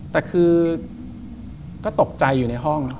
แต่คือก็ตกใจอยู่ในห้อง